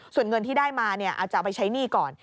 ส่วนเงินที่ได้มาอาจจะเอาไปใช้หนี้ก่อน